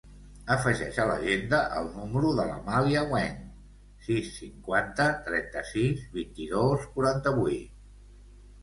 Afegeix a l'agenda el número de l'Amàlia Weng: sis, cinquanta, trenta-sis, vint-i-dos, quaranta-vuit.